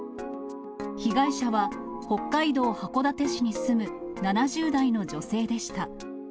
被害者は、北海道函館市に住む７０代の女性でした。